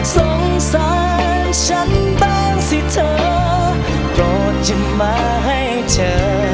สงสารฉันบ้างสิเธอโปรดอย่ามาให้เจอ